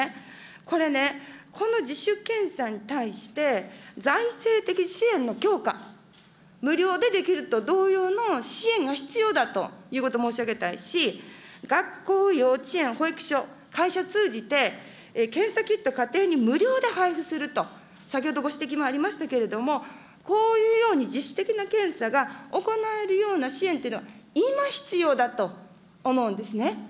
これね、この自主検査に対して財政的支援の強化、無料でできると同様の支援が必要だということを申し上げたいし、学校、幼稚園、保育所、会社通じて、検査キット、家庭に無料で配布すると、先ほどご指摘もありましたけれども、こういうように自主的な検査が行えるような支援というのを、今必要だと思うんですね。